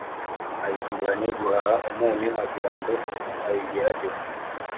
ayisubiranye guhaha umunyu, agira ngo ayigerageze,